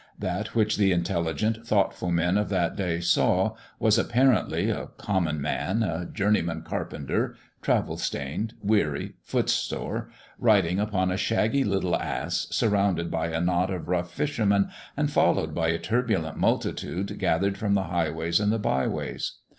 That which the intelligent, thoughtful men of that day saw was, apparently, a common man, a journeyman carpenter, travel stained, weary, footsore, riding upon a shaggy little ass, surrounded by a knot of rough fishermen and followed by a turbulent multitude gathered from the highways and the byways.